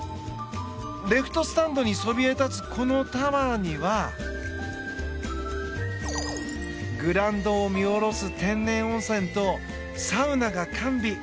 レフトスタンドにそびえ立つこのタワーにはグラウンドを見下ろす天然温泉とサウナが完備！